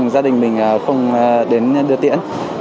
gia đình mình không đến đưa tiện